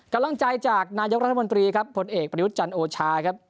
กำลังใจจากนายกรัฐมนตรีครับผลเอกประยุทธ์จันทร์โอชาครับ